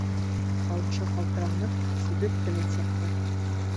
Тауышы ҡалтыранып сибек кенә сыҡты.